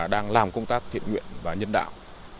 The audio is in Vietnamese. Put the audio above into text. đang làm công tác thiện nguyện và nhân đạo